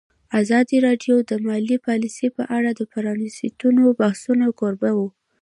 ازادي راډیو د مالي پالیسي په اړه د پرانیستو بحثونو کوربه وه.